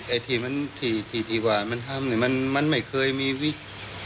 ไอ้ทีมนั้นทีทีวามันทำอย่างนี้มันไม่เคยมีวิทย์